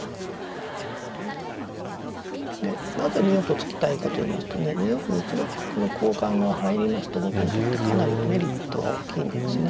でなぜ２四歩と突きたいかといいますとね２四歩に１六角の交換が入りますと後手にとってかなりメリットが大きいんですね。